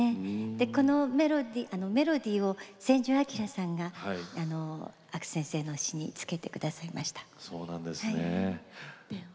このメロディーを千住明さんが阿久先生の詞につけてくださいました。